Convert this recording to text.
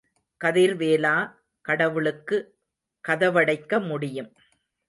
கதிர்வேலா, கடவுளுக்கு கதவடைக்க முடியும்.